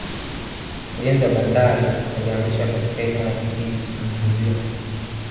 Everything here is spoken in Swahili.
ujenzi wa bandari ulianzishwa katika eneo la kijiji cha mzizima